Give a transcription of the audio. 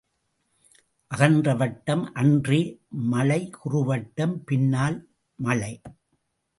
அகன்ற வட்டம் அன்றே மழை குறுவட்டம் பின்னால் மழை.